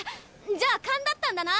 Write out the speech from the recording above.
じゃあ勘だったんだな！